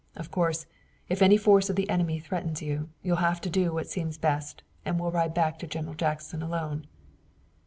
Of course, if any force of the enemy threatens you, you'll have to do what seems best, and we'll ride back to General Jackson alone."